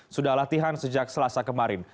sudah latihan sejak selasa kemarin